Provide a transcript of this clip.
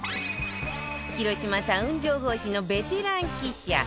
広島タウン情報誌のベテラン記者